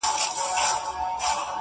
د ساړه ژمي په تیاره کي مرمه -